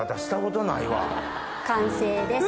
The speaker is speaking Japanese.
完成です。